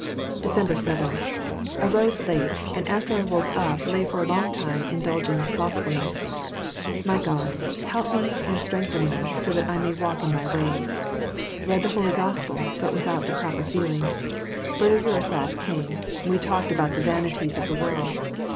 December 7. — Arose late, and after I woke up lay for a long time indulging in slothfulness. My God! help me and strengthen me, so that 1 may walk in thy ways. Read the Holy Grospels, but without the proper feeling. Brother Urusof came ; we talked about the vanities of the world.